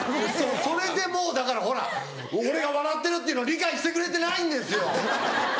それでもうだからほら俺が笑ってるっていうのを理解してくれてないんですよ！